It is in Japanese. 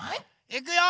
いくよ！